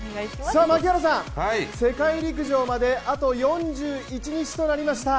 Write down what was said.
槙原さん、世界陸上まであと４１日となりました。